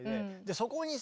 そこにさ